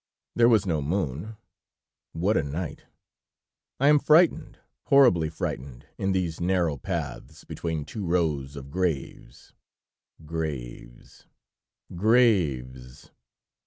"There was no moon. What a night! I am frightened, horribly frightened in these narrow paths, between two rows of graves. Graves! graves!